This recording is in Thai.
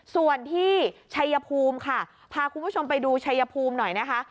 ส่วนที่ชัยภูมิค่ะพาคุณผู้ชมไปดูชัยภูมิหน่อยนะคะ